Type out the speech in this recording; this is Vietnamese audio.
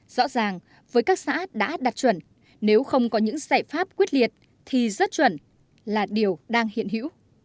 rõ ràng với các xã đã đạt chuẩn nếu không có những giải pháp quyết liệt thì rớt chuẩn là điều đang hiện đại